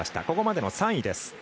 ここまでの３位です。